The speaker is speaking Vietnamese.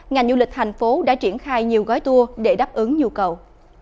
ngành du lịch thành phố đã triển khai nhiều gói tour để đáp ứng nhu cầu